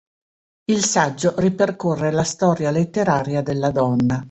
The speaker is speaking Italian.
Il saggio ripercorre la storia letteraria della donna.